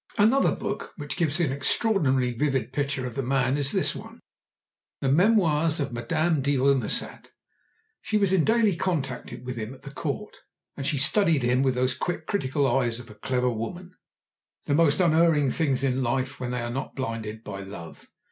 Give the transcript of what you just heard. Another book which gives an extraordinarily vivid picture of the man is this one—the Memoirs of Madame de Remusat. She was in daily contact with him at the Court, and she studied him with those quick critical eyes of a clever woman, the most unerring things in life when they are not blinded by love.